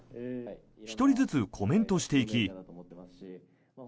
１人ずつコメントしていき。